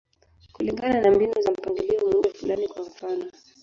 Kulingana na mbinu za mpangilio, muundo fulani, kwa mfano.